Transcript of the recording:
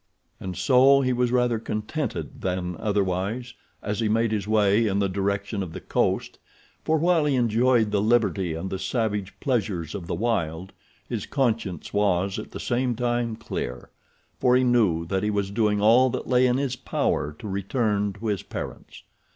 And so he was rather contented than otherwise as he made his way in the direction of the coast, for while he enjoyed the liberty and the savage pleasures of the wild his conscience was at the same time clear, for he knew that he was doing all that lay in his power to return to his parents.